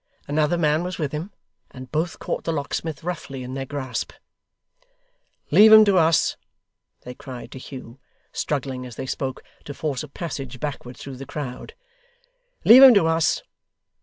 Another man was with him, and both caught the locksmith roughly in their grasp. 'Leave him to us!' they cried to Hugh struggling, as they spoke, to force a passage backward through the crowd. 'Leave him to us.